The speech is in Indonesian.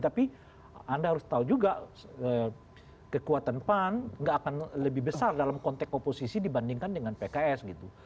tapi anda harus tahu juga kekuatan pan nggak akan lebih besar dalam konteks oposisi dibandingkan dengan pks gitu